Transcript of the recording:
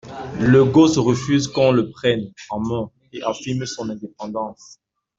Le gosse refuse qu’on le prenne en main et affirme son indépendance.